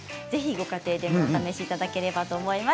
ご家庭でもお試しいただければと思います。